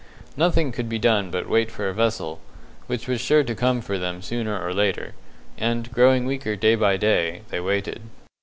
Nothing could be done but wait for a vessel, which was sure to come for them sooner or later; and, growing weaker day by day, they waited.